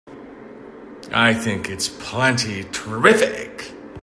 I think it's plenty terrific!